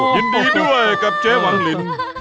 ยินดีด้วยกับเจ๊หวังลิน